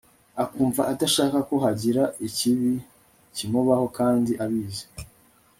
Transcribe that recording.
akumva adashaka ko hagira ikibi kimubaho kandi abizi